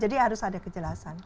jadi harus ada kejelasan